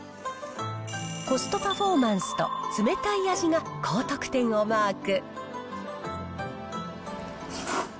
コストパフォーマンスと冷たい味が高得点をマーク。